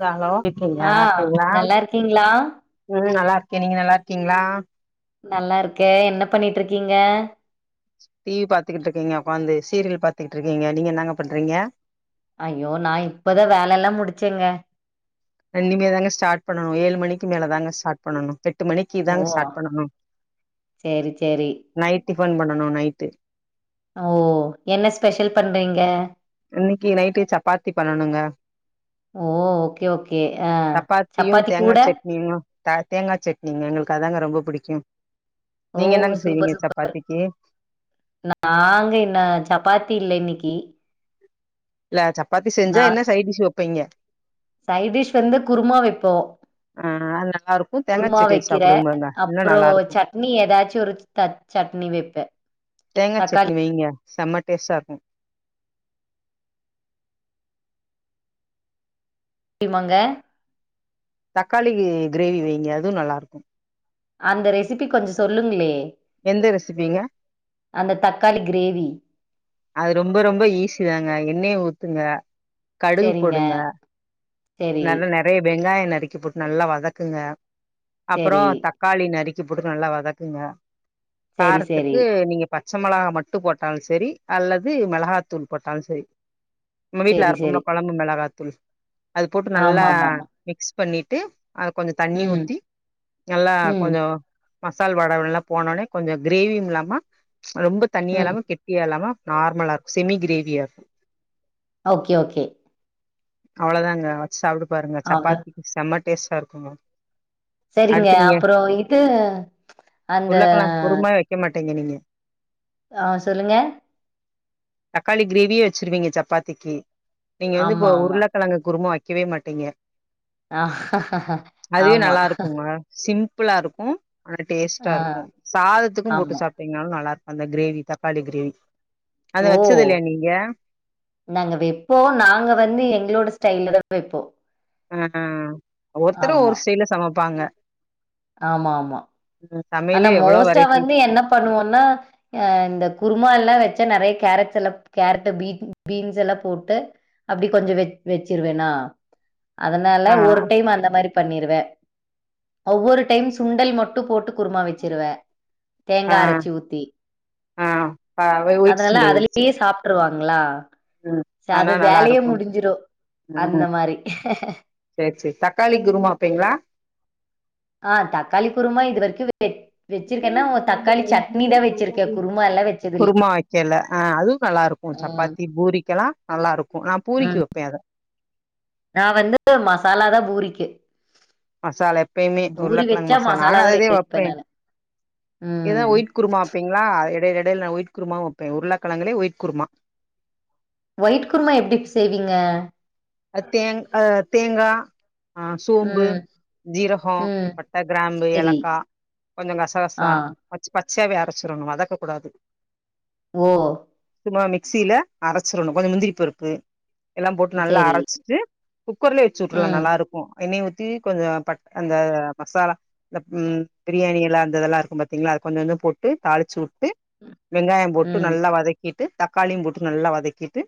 ம் ஆ நல்லா இருக்கீங்களா? நல்லா இருக்கே நீங்க நல்லா இருக்கீங்ளா நல்லாருக்க என்ன பண்ணிட்ருக்கீங்க டிவி பாத்துக்கிட்ருக்கீங்க உக்காந்து சீரியல் பாத்துகிட்ருக்கீங்க நீங்க என்னாங்க பண்றீங்க ஐயோ நா இப்பதா வேல எல்லா முடிச்சேங்க இணிமே தாங்க ஸ்டாட் பண்ணணு ஏழு மணிக்கு மேல தாங்க ஸ்டாட் பண்ணணு எட்டு மணிக்கு ஓ! தாங்க ஸ்டாட் பண்ணு சரி, சரி. நைட் டிப்பன் பண்ணணு நைட்டு ஓ என்ன ஸ்பெஷல் பண்றீங்க இன்னைக்கு நைட்டு சப்பாத்தி பண்ணணுங்க ஓ ஓகே ஓகே ஆ சப்பாத்தியு சப்பாத்தி தேங்கா கூட சட்னியு த தேங்கா சட்னிங்க எங்களுக்கு அதாங்க ரொம்ப புடிக்கும் ஓ! நீங்க என்னங்க சூப்பர், செய்வீங்க சூப்பர். சப்பாத்திக்கு நாங்க இன்னு சப்பாத்தி இல்ல இன்னைக்கு இல்ல சப்பாத்தி செஞ்சா என்ன சைடிஷ் வப்பீங்க சைடிஷ் வந்து குருமா வெப்போ ஆ அது நல்லா இருக்கு தேங்கா குருமா சட்னி வச்சு வெக்கிற சாப்பிடுங்க பாருங்க இன்னு அப்புறோ நல்லா இருக்கு சட்னி ஏதாச்சு ஒரு த சட்னி வெப்பே தேங்கா சட்னி வெய்ங்க செம்ம டேஸ்ட்டா இருக்கு டிமாங்க தக்காளி கிரேவி வெய்ங்க அதுவு நல்லா இருக்கு அந்த ரெசிபி கொஞ்சோ சொல்லுங்ளே எந்த ரெசிபிங்க அந்த தக்காளி கிரேவி அது ரொம்ப ரொம்ப ஈஸி தாங்க எண்ணெய ஊத்துங்க கடுகு சரிங்க. போடுங்க சரி, நல்ல நேர நெறைய வெங்காய நறுக்கி போட்டு நல்லா வதக்குங்க அப்புறோ சரி, தக் காளி நறுக்கி போட்டு நல்லா வதக்குங்க சரி, சரி, காரத்துக்கு நீங்க பச்ச மொளகா மட்டு போட்டாலு செரி அல்லது மெளகாத்தூள் போட்டாலு செரி நம்ம வீட்ல சரி, அரப்போமில்ல சரி. கொழம்பு மெளகாத்தூள் அது போட்டு நல்லா ஆமாமாமா. மிக்ஸ் பண்ணிட்டு அத கொஞ்சோ தண்ணி ம், ஊத்தி நல்லா ம், கொஞ்சோ மசால் வடவு எல்லா போனோனே கொஞ்சோ‌ கிரேவியு இல்லாம ரொம்ப தண்ணியா ம். இல்லாம கெட்டியா இல்லாம நார்மலா இருக்கு செமி கிரேவியா இருக்கு ஓக்கே ஓக்கே அவ்ள தாங்க வச் சாப்ட்டு பாருங்க அவ சப்பாத்திக்கு செம டேஸ்ட்டா இருக்குங்க செரிங்க அடுத்து நீங்க அப்றோ இது அந்த உருளக்கெழங்கு குருமா வைக்க மாட்டீங்க நீங்க ஆ சொல்லுங்க தக்காளி கிரேவியே வச்சிருவீங்க சப்பாத்திக்கு நீங்க வந்துப் ஆமா, ஆமா. உருளக்கிழங்கு குருமா வைக்கவே மாட்டீங்க ஆ அதுவே ஆமா நல்லா இருக்குங்க சிம்பிளா இருக்கு ஆனா டேஸ்ட்டா ஆ இருக்கு சாதத்துக்கும் போட்டு ஆமா. சாப்ட் டிங்னாலு நல்லா இருக்கு அந்த கிரேவி தக்காளி கிரேவி அத ஓ! வச்சது இல்லயா நீங்க நாங்க வெப்போ நாங்க வந்து எங்ளோட ஸ்டைல்லதா வெப்போ அ ஹ ஒவ்வொருத்தரு ஒவ்வொரு ஸ்டைல்ல சமைப்பாங்க ஆமா ஆமா ம், ஆனா சமையலே எவ்ளோ மோஸ்டா வெரைட்டி வந்து என்ன பண்ணுவோனா அ இந்த குருமா எல்லா வச்சா நெறய கேரட்ஸ் எல்லா கேரட் பீட் பீன்ஸ் எல்லா போட்டு அப்டி கொஞ்சோ வெச் வெச்சிருவ நா அதனால ஆ ஒரு டைம் அந்த மாரி பண்ணிருவ ஒவ்வொரு டைம் சுண்டல் மட்டு போட்டு குருமா வச்சிருவ தேங்கா ஆ அரச்சி ஊத்தி ஆ ப அவ ஒய்ட் அதனால சுண்டல் வச்சு அதுலயே சாப்ட்டுருவாங்ளா ம் ச ஆனா அது நல்லா வெலயே இருக்கும் முடிஞ்சிரு அந்த மாரி சேர் சேரி தக்காளி குருமா வப்பீங்ளா ஆ தக்காளி குருமா இது வரைக்கு [inaudible] வெச்சிருக்கேன்னா தக்காளி சட்னி தா வச்சிருக்கே குருமா எல்லா வச்சதில்ல குருமா வைக்கல அ அதுவு நல்லா இருக் கு ம் சப்பாத்தி பூரிக்கெலா நல்லா இருக்கு நா பூரிக்கு ம் வப்பே அத நா வந்து மசாலாதா பூரிக்கு மசாலா எப்பய்மே பூரி உருளக்கிழங் வெச்சா மசாலா நானு தா ரெடி அதேதே வெப்பே வப்பே நானு இததா ம் ஒயிட் குருமா வப்பீங்ளா எடேல எடேல நா ஒயிட் குருமாவு வப்பே உருளக்கிழங்கிலயே ஒயிட் குருமா ஒயிட் குருமா எப்டி செய்வீங்க அது தேன் அ தேங்கா ஆ சோம்பு ம் ஜீரகோ ம் பட்ட கிரம்பு செரி ஏலக்கா கொஞ்சோ ஆ கசகசா வச் பச்சயாவே அரைச்சிரனு வதக்க கூடாது ஓ சும்மா மிக்சில அரைச்சிரணு கொஞ்சோ மிந்திரி பருப்பு எல்லா போட்டு நல்லா அர செரி சிட்டு குக்கர்லே வச்சு வுட்ரலா ம் நல்லா இருக்கு எண்ணய ஊத்தி கொஞ்சோ பட் அந்த மசாலா இந்த ம் பிரியாணி இல அந்த இதெல்லா இருக்கு பாத்தீங்ளா அத கொஞ்சோ கொஞ்சோ போட்டு தாளிச்சு வுட்டு வெங்காயோ போட்டு ம் நல்லா வதக்கிட்டு தக்காளியு போட்டு நல்லா வதக்கிட்டு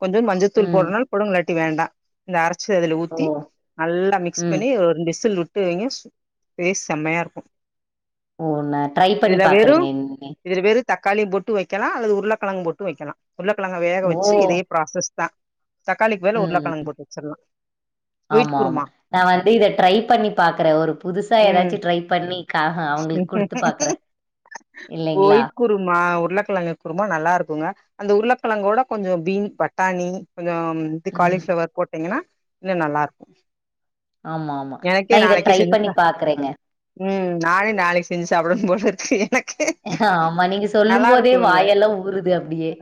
கொஞ்சோ மஞ்சத்தூள் ம் போடணுனாலு போடலா இல்லாட்டி வேண்டா இந்த அரைச்சி அதில ஓ ஊத்தி நல்லா மிக்ஸ் ம் பண்ணி ஒரு ரெண்டு உசில் வு ட்டு வைங்க சு டேஸ்ட் செமயா இருக்கு ஒ நா ட்ரை பண்ணி பாக்குறேங்க இன்மே தக்காளியு போட்டு வைக்கலா அல்லது உருளக்கெழங் போட்டு வைக்கலா உருளக்கெழங்க வேக ஓ வச்சி இதே ப்ராசஸ் தா தக் தக்காளிக்கு பதில ம் உருளக்கெழங்கு போட்டு வச்செற்லா ஆமா ஆமா நா வந்து இத ட்ரை பண்ணி பாக்குற ஒரு புதுசா ம் ஏதாச்சி ட்ரை பண்ணி கா ஹோ அவங்களுக் குடுத்து பாக்குற இல்லங்ளா ஒயிட் குருமா உருளக்கெழங்க குருமா நல்லா இருக்குங்க அந்த உருளக்கெழங்கோட கொஞ்சோ பீன் பட்டாணி கொஞ்சோம் இது ம் காலிஃப்ளவர் போட்டீங்கன்னா இன்னு நல்லா இருக்கு ஆமா ஆமா நா எனக்கே இத நாளைக்கு ட்ரை செஞ்சு பண்ணி சா பாக்குறேங்க ம் நானே நாளைக்கு செஞ்சு சாப்டனு போலருக்கு எனக்கே ஆமா நீங்க சொல்லும் நல்லா போதே இருக்குங்க வாயெல்லா ஊறுது அப்டியே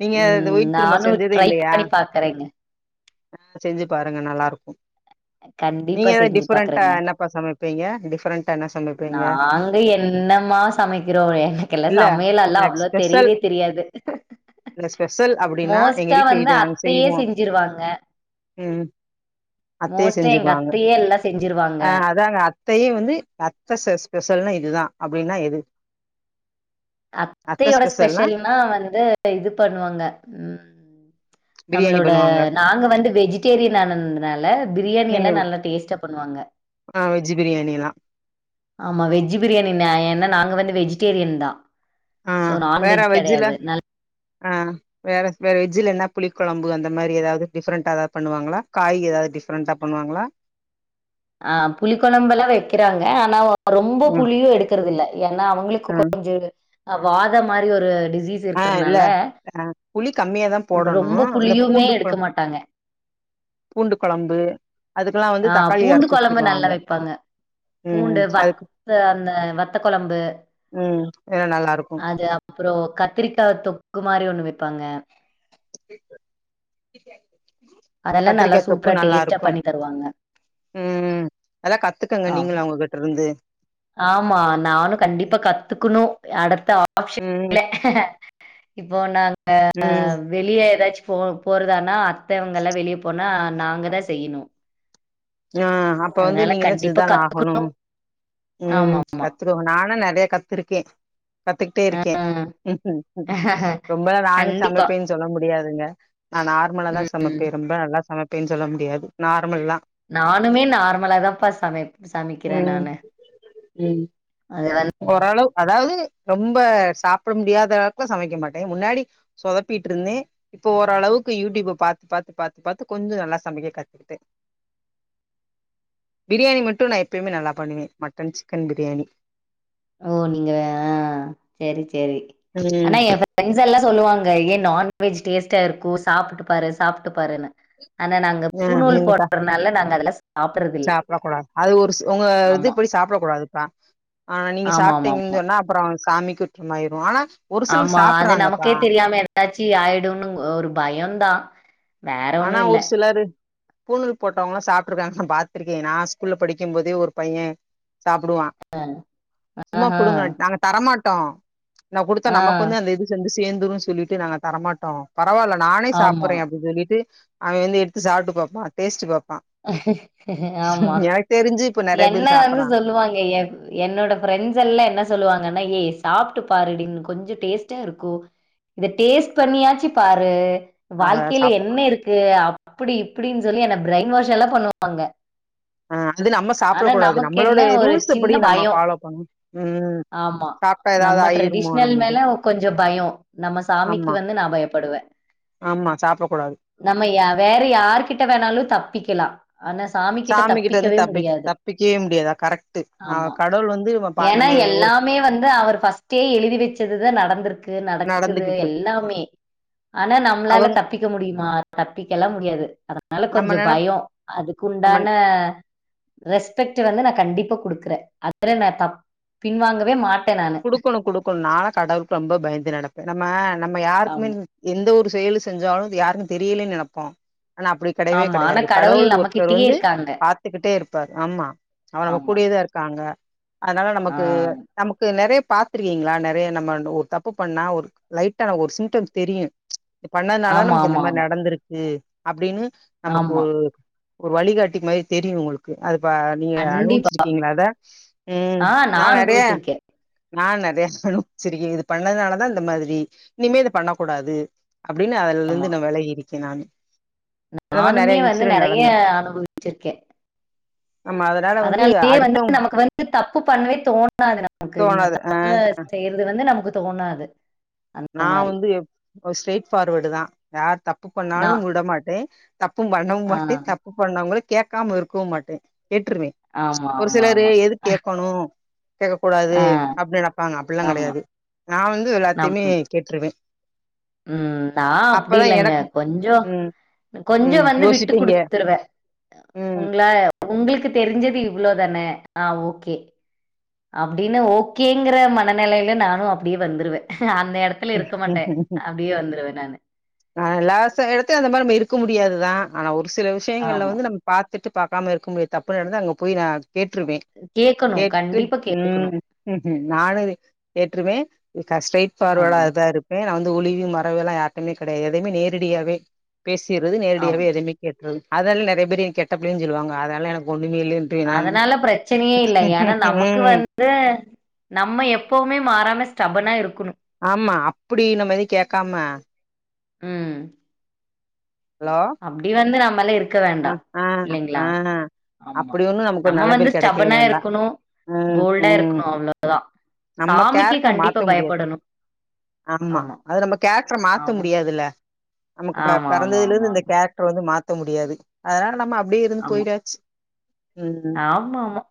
நீங்க அத ம் ஒயிட் குருமா நானு செஞ்சதே ட்ரை இல்லையா பண்ணி பாக்குறேங்க ஆ செஞ்சி பாருங்க நல்லா இருக்கு கண்டிப்பா நீங்க ஏதா செஞ்சு டிஃப்ரெண்டா பாக்குறேங்க என்ன ப்பா சமைப்பீங்க டிஃப்ரண்டா என்ன சமைப்பீங்க நாங்க என்னமா சமைக்கிறோ எனக்கல்லா இல்ல சமையலல்லா அவ்ள தெரியவே தெரியாது இதுல ஸ்பெஷல் அப்டின்னா எங்க மோஸ்ட்டா வீட் வந்து [unintelligible] அத்தையே செய்வோ செஞ்சிருவாங்க ம் அத்தையே மோஸ்ட்டா எங்க செஞ்சுருவாங்க அத்தையே எல்லா செஞ்சிருவாங்க அ அதாங்க அத் தையே வந்து அத்த ஸ்பெ ஸ்பெஷல்னா இதுதா அப்டின்னா எது அத்தையோட ஸ்பெஷல்னா வந்து இது பண்ணுவாங்க ம் பிரியாணி நம்மளோட பண்ணுவாங்க நாங்க வந்து வெஜிடேரியன் ஆனதுனால ப்ரியாணி நீங்க எல்லா நல்லா டேஸ்ட்டா பண்ணுவாங்க ஆ வெஜ்ஜி ப்ரியாணி எல்லா ஆமா வெஜ் ப்ரியாணின ஏன்னா நாங்க வந்து வெஜிடேரியன்தா ஆ வேற வெஜ்ஜில ஆ வேற வேற வெஜ்ஜில என்னா புளி கொழம்பு அந்த மாரி எதாவ்து டிஃப்ரெண்ட்டா எதாது பண்ணுவாங்களா காய் எதாது டிஃப்ரெண்டா பண்ணுவாங்களா ஆ புளி கொழம்பல்லா வைக்கிறாங்க ஆனா ரொம்ப ம் புளியு எடுக்றத இல்ல ஏன்னா அவுங்களுக்கு ம் கொஞ்சோ அ வாத மாரி ஒரு டிசீஸ் ஆ இல்ல இருக்கிறதுனால அ புளி கம்மியாதா போடணு ரொம்ப இந்த புளியுமே பூண்டு கொழ எடுக்க மாட்டாங்க பூண்டு கொழம்பு அதுக்கெல்லா வந்து ஆ தக்காளி பூண்டு அரச்சு கொழம்பு நல்லா ஊத்திருவாங்க வெப்பாங்க ம் பூண்டு அதுக்கு வத்த அந்த வத்த கொழம்பு ம் ஏனா நல்லா இருக்கு அது அப் றோ கத்திரிக்கா தொக்கு மாரி ஒண்ணு வைப்பாங்க [inaudible] அதெல்லாம் நல்லா கத்திரிக்கா தொக்கு சூப்பரா நல்லா டேஸ்ட்டா இருக்கு பண்ணி தருவாங்க ம் அதல்லா கத்துக்கங்க நீங்களு ஆமா அவுங்கிட்ட ருந்து ஆமா நானு கண்டிப்பா கத்துக்கணு அடுத்த ஆப்ஷன் ம் இல்ல இப்போ நாங்க ம் வெளிய ஏதாச்சு போ போறதானா அத்த அவுங்கல்லா வெளிய போனா நாங்க தா செய்யிணு ஆ அப்ப வந்து நீங்க தா கண்டிப்பா செஞ்சதா கத்துக்கணும் ஆகணு ம் ஆமாம். ரத் துகோங்க நானு நெறைய கத்துருக்கே கத்துக்கிட்டே ஆ இருக்கே ரொம்பெல்லா நானு கண்டிப்பா. சமப்பேன்னு சொல்ல முடியாதுங்க நா நார்மலா தா ம். சமைப்பே ரொம்ப நல்லா சமப்பேன்னு சொல்ல முடியாது நார்மல்தா நானுமே நார்மலா தான்ப்பா சமை ம் ம் அது வந் ஓரளவு அதாவ்து ரொம்ப சாப்ட முடியாத அளவுக்குலா சமைக்க மாட்டே முன்னாடி சொதப்பிட்ருந்தே இப்போ ஓரளவுக்கு யூடியூப பாத்து பாத்து பாத்து பாத்து கொஞ்சோ நல்லா சமைக்க கத்துக்கிட்டே பிரியாணி மட்டு நா எப்பியுமே நல்லா பண்ணுவே மட்டன் சிக்கன் பிரியாணி ஓ நீங்க ஆ செரி செரி ம் ஆனா எ ஃப்ரெண்ட்ஸ் எல்லா சொல்லுவாங்க ஏ நான்வெஜ் டேஸ்டா இருக்கு சாப்ட்டு பாரு சாப்ட்டு பாருன்னு ஆனா நாங்க அ பூணூல் [unintelligible] போடுறனால நாங்க அதெல்லாம் சாப்பிடுறதில்ல. சாப்ட கூடாது அது ஒரு உங்க இது ஆமா. அப்டி சாப்டக்கூடாதுப்பா ஆனா நீங்க ஆமாமாம். சாப்டீங்கன் சொன்னா அப்றோ சாமிக்குத்த மாயிரு ஆனா ஒரு சிலர் ஆமா அது சாப்டுறாங்கப்பா நமக்கே தெரியாம ஏதாச்சி ஆய்டுனு ஒரு பயோதா ஆனா ஒரு சிலரு பூணல் போட்டவங்ளா சாப்ட்டுருக்காங்க நா பாத்ருக்கே நா ஸ்கூல்ல படிக்கு போதே ஒரு பைய சாப்டுவா சும்மா ஆஹ. குடுங்க நாங்க தரமாட்டோ நா குடுத்த ஆ. நமக்கு வந்து அந்த இது ச்சு வந்து சேந்துருன்னு சொல்லிட்டு நாங்க தரமாட்டோ பரவால்ல நானே ஆமா. சாப்புறே அப்டி சொல்லிட்டு அவ வந்து எட்த்து சாப்ட்டுபாப்பா டேஸ்டுபாப்பா ஆமா இப்ப நெறைய என்ன பேர் வந்து சாப்புறா சொல்லுவாங்க எ என்னோட ஃப்ரெண்ட்ஸ் எல்லா என்ன சொல்லுவாங்கன்னா ஏய் சாப்ட்டு பாருடினு கொஞ்சோ டேஸ்ட்டா இருக்கு இத டேஸ்ட் பண்ணியாச்சு பாரு அத வாழ்க்கையில சாப்புறா என்ன இருக்கு அப்டி இப்டின் சொல்லி என்ன பிரென் வாஷ்ல்லா பண்ணுவாங்க ஆ அது நம்ம சாப்டக் ஆனா கூடாது நமக்கு என்ன நம்மளோட ஒரு ரூல்ஸ் சின்ன படி நம்ம பயம். ஃபாலோ பண்ணு ம் ஆமா சாப்ட்டா ஏதாவது நம்ம ஆயிருமோ ட்ரெடிஷ்னல் நமக்கு மேல கொஞ்சோ பயோ நம்ம சாமிக்கு ஆமா வந்து நா பயப்படுவே ஆமா சாப்ட கூடாது நம்ம வேற யார்கிட்ட வேணாலு தப்பிக்கலா ஆனா சாமி சாமி கிட்ட வந்து தப்பி தப்பிக்கயே முடியாது கரெக்ட் ஆ கடவுள் வந்து பா ஏனா நம்ம ஒரு எல்லாமே வந்து அவரு ஃபஸ்ட் எழுதி வச்சதுதா நடந்துருக்கு நடக்குது நடந்துகிட்டு இருக்கு எல்லாமே ஆனா நம்ளால அவங்க தப்பி க்க முடியுமா தப்பிக்கல்லா முடியாது அதனால நம்ம கொஞ்சோ நெனப் பயோ அதுக்கு நம்ம உண்டான ரெஸ்பெக்ட் வந்து நா கண்டிப்பா குடுக்குறே அதுல நா தப் பின்வாங்கவே மாட் குடுக்கணு குடுக்கணு நாள கடவுளுக்கு ரொம்ப பயந்து நடப்பே நம்ம நம்ம யாருக்குமே ஆமா. எந்த ஒரு செயலு செஞ்சாலு யாருக்கு தெரில நெனப்போ ஆனா அப்டி கெடயவே ஆமா. ஆனா கெடையாது கடவுள் ஒருத்தர் நம்மகிட்டயே வந்து இருக்காங்க. பாத்துக்கிட்டே இருப்பார் ஆமா அவ நம்ம ஆமா. கூடியேதா இருக்காங்க அதனால ஆ. நமக்கு நெறய பாத்துருக்கீங்ளா நெறய நம்ம ஒரு தப்பு பண்ணா ஒரு லைட்டா நமக்கு ஒரு சிம்டம் தெரியு இப்டி பண்ணதுனால ஆமா, நமக்கு இந்த ஆமா, மாரி ஆமா. நடந்திருக்கு அப்டின்னு நமக்கு ஆமா. ஒரு வழிகாட்டி மாரி தெரியு உங்ளுக்கு அது பா நீங்க கண்டிப்பா. அனுவிச்சிருக்கீங்ளா அத ம் ஆ நா நான் நறய அனுபவிச்சிருக்கேன். நா நறய படு சேரி இது பண்ணதுனாலதா இந்த மாதிரி இனிமே இத பண்ண கூடாது அப்டின்னு அதுல ஆமா. இருந்து நா வெலகிருக்கே நானு அந்த மாரி நானுமே நெறைய வந்து இன்சிடென்ட் நெறய நடந்திருக்கு அனுபவிச்சிருக்கே ஆமா அத அதனாலயே வந்து நமக்கு வந்து தப்பு பண்ணவே தோ ணாது நமக்கு இந்த தோணாது ஆ தப்பா செய்றது வந்து நமக்கு தோணாது அந்த மாரி ஸ்ட்ரைட் ஃபார்வேடு தா யார் தப்பு பண்ணாலு நான் விடமாட்டே தப்பு பண்ணவு ஆ, மாட்டே தப்பு பண்ணவங்கள கேக்காம இருக்கவு மாட்டே கேட்டுருவே ஆமா ஒரு ஆமா சிலரு ஆமா எது கேக்கனு கூடாது ஆ, அப்டி நெனப்பாங்க அப்டிலா ஆமா கெடயாது நா வந்து நம் எல்லாத்தையுமே கேட்ருவே ம் நா அப்டி அப்பதா இல்லங்க எனக்கு கொஞ்சொ ம் கொஞ்சொ ம் வந்து விட்டு யோசிப்பீங்க குடுத்துருவ உங்ளா உங்ளுக்கு தெரிஞ்சது இவ்ளோ தானெ ஆ ஓகே அப்டின்னு ஓக்கேங்ற மனநெலயில நானு அப்டியே வந்துருவே அந்த எடத் துல இருக்க மாட்டே ம் அப்டியே வந்துருவெ நானு ஆ எல்லாச எடத்த அந்த மாரி நம்ம இருக்க முடியாதுதா ஆனா ஒரு சில விஷயங்கள்ல ஆமா வந்து நம்ம பாத்துட்டு பாக்காம இருக்க முடிய தப்பு நடந்த அங்க போய் நா கேட்ருவே கேட்கணும் கேட்டுட்டு கண்டிப்பா உம் கேட்கணும் நானு கேட்ருவெ ஸ்டைட் ஆ ஃபார்வடாதா இரு ப்பே நா வந்து ஒளிவு மறவு எல்லா யாருட்டயுமே கெடயாது எதுவுமே நேரடியாவே பேசிற்றது ஆமா நேரடியாவே எதுவ்மே கேட்ரது அதனால நெறைய பேர் என் கெட்ட பிள்ளேன்னு சொல்லுவாங்க அதானால எனக்கு ஒன்னுமேயில்ல அதனால பிரச்சனையே இல்ல ஏன்னா நமக்கு ம் வந்து நம்ம எப்பவுமே மாறாம ஸ்டபனா இருக்கணு ஆமா அப்படி நம்ம எத கேக்காம உம் ஹலோ அப்டி வந்து நம்மாலால இருக்க ஆ வேண்டா ஆ இல்லேங்ளா ஆ ஆமா அப்டி ஒண்ணு நமக்கு ஒரு நம்ம நல்ல வந்து பேர் கெடைக்கவே ஸ்டபனா வேண்டா இருக்கணு ம் போல்டா ம் இருக்கணு அவ்ளோதா நம்ம சாமிக்கு கேரக்டர கண்டிப்பா மாத்த முடியாது பயப்படணு ஆமா அது நம்ம கேரக்ர மாத்த ஆமா முடியாதுல்ல நமக்கு ஆமா ஆமா பிறந்ததுல ஆமா இருந்து இந்த கேரக்ட் வந்து மாத்த முடியாது அதனால நம்ம அப்டியே இருந்து ஆமா போய்டாச்சு ம்ம் ஆமா ஆமா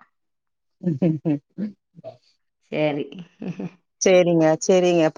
உ சேரி சேரிங்க சேரிங்க பா